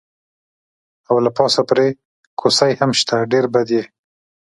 او له پاسه پرې کوسۍ هم شته، ډېر بد یې.